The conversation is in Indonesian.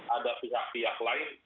ada pihak pihak lain